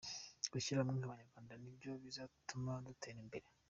Gushyira hamwe nk’abanyarwanda nibyo bizatuma dutera imbere.